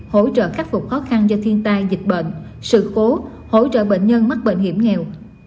hỗ trợ khắc phục khó khăn do thiên tai dịch bệnh sự cố hỗ trợ bệnh nhân mắc bệnh hiểm nghèo